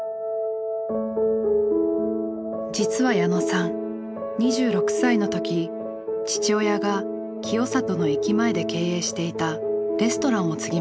実は矢野さん２６歳の時父親が清里の駅前で経営していたレストランを継ぎました。